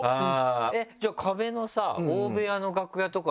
じゃあ『壁』のさ大部屋の楽屋とかってさ